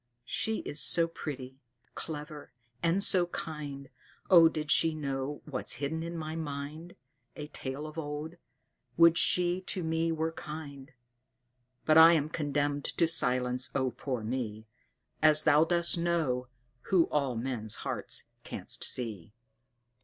She is so pretty, clever, and so kind Oh, did she know what's hidden in my mind A tale of old. Would she to me were kind! But I'm condemned to silence! oh, poor me! As Thou dost know, who all men's hearts canst see.